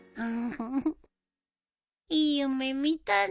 いい夢見たな。